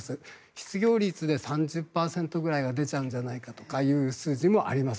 失業率で３０％ぐらいが出ちゃうんじゃないかという数字もあります。